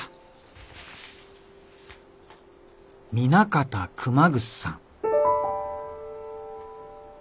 南方熊楠さん」。